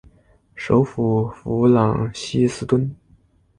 首府弗朗西斯敦。